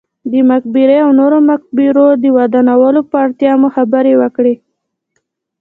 د مقبرې او نورو مقبرو د ودانولو پر اړتیا مو خبرې وکړې.